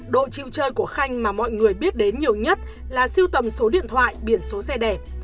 độ chịu chơi của khanh mà mọi người biết đến nhiều nhất là siêu tầm số điện thoại biển số xe đẹp